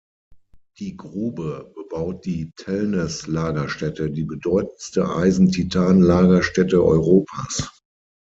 Die Grube bebaut die Tellnes-Lagerstätte, die bedeutendste Eisen-Titan-Lagerstätte Europas.